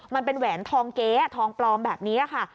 มันเป็นแหวนทองเก๊ทองปลอมแบบนี้ค่ะ